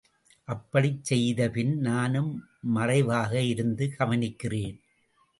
அப்படிச் செய்தபின் நானும் மறைவாக இருந்து கவனிக்கிறேன்.